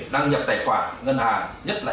đăng nhập tài khoản ngân hàng nhất là